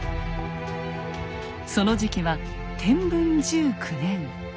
その時期は天文１９年。